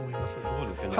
そうですよね。